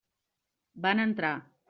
Van entrar.